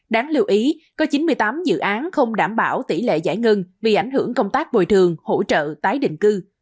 đáng lưu ý có chín mươi tám dự án không đảm bảo tỷ lệ giải ngân vì ảnh hưởng công tác bồi thường hỗ trợ tái định cư